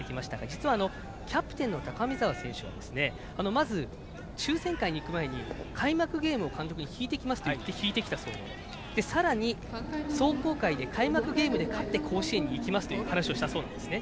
実は、キャプテンの高見澤選手がまず、抽選会に行く前に開幕ゲームを監督に引いてきますと言って引いてきたそうで、さらに壮行会で開幕ゲームで勝って甲子園に行くという話をしたそうなんですね。